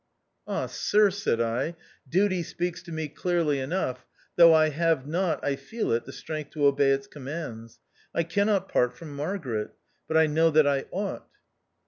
" Ah, sir," said I, " duty speaks to me (dearly enough, though I have not, I feel it, the strength to obey its commands. I can not part from Margaret. But I know that I ought."